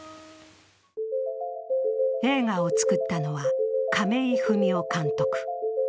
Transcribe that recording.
映画を作ったのは亀井文夫監督。